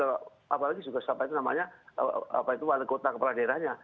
apalagi juga siapa itu namanya apa itu walaikota kepala daerahnya